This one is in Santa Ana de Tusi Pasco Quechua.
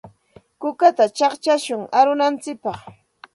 Kukata chaqchashun arunantsikpaq.